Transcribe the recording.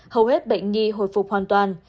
hầu hết bệnh nghi hồi phục hoàn toàn